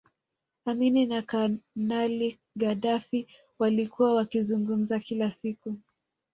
Amin na Kanali Gaddafi walikuwa wakizungumza kila siku